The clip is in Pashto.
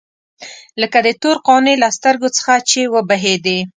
لکه د تور قانع له سترګو څخه چې وبهېدې.